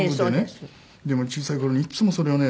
でも小さい頃にいつもそれをね。